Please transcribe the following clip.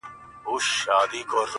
يوار ماسوم سمه له ځانه سره داسې وايم